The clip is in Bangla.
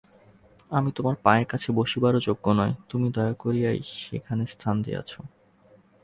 আমি তোমার পায়ের কাছে বসিবারও যোগ্য নই, তুমি দয়া করিয়াই সেখানে স্থান দিয়াছ।